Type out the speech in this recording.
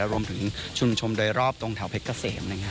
รวมถึงชุมชนโดยรอบตรงแถวเพชรเกษม